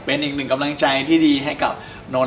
เป็นอีกหนึ่งกำลังใจที่ดีให้กับนนท